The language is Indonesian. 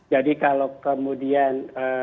jadi kalau kemudian